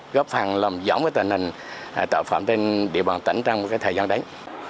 góp phần lầm dõng tình hình tạo phẩm tình địa bàn tỉnh trong thời gian đấy